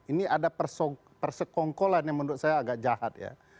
ini ada persekongkolan yang menurut saya agak jahat ya